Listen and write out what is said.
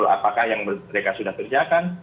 apakah yang mereka sudah kerjakan